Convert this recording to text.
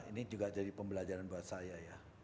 ini juga jadi pembelajaran buat saya ya